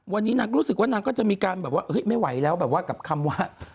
วันนี้นางก็รู้สึกว่านางก็จะมีการแบบว่าไม่ไหวแล้วแบบว่ากับคำว่า